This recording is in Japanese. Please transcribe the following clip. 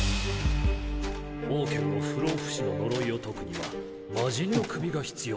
・オウケンの不老不死の呪いを解くには魔神の首が必要だそうです